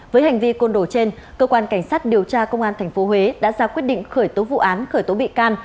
với hành vi côn đồ trên cơ quan cảnh sát điều tra công an tp huế đã ra quyết định khởi tố vụ án khởi tố bị can